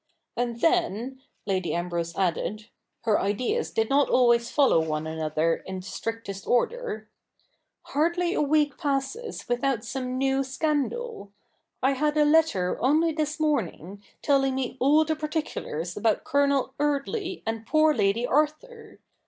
And then,' Lady Ambrose added — her ideas did not always follow one another in the strictest order —' hardly a week passes without some new scandal. I had a letter only this morning, telling me all the particulars about Colonel Eardly and poor Lady Arthur.